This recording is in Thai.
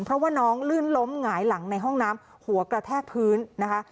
เพราะว่าน้องลื่นล้มหงายหลังในห้องน้ำหัวกระแทกพื้นนะคะ